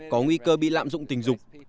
có nguy cơ bị lạm dụng tình dục